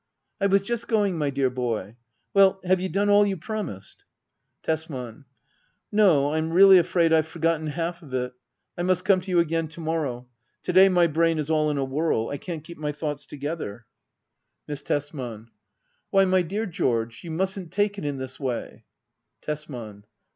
I was just going, my dear boy. Well, have you done all you promised } Tesman. No ; Fm really afraid I have forgotten half of it. I must come to you again to morrow. To day my brain is all in a whirl. I can't keep my thoughts together. Digitized by Google 156 HEDDA OABLER. [aCT IV. Miss Tesman. Why, my dear George, you mustn't take it in this way. Tesman.